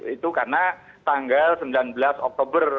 itu karena tanggal sembilan belas oktober